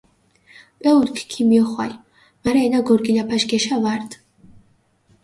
პეულქ ქომიოხვალჷ, მარა ენა გორგილაფაშ გეშა ვარდჷ.